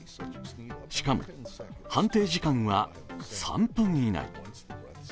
しかも、判定時間は３分以内。